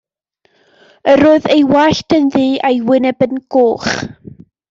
Yr oedd ei wallt yn ddu a'i wyneb yn goch.